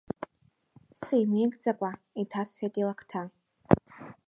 Симеигӡакәа иҭасҳәеит илакҭа!